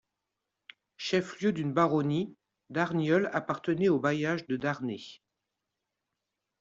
Chef-lieu d’une baronnie, Darnieulles appartenait au bailliage de Darney.